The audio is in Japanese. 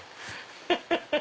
ハハハハ！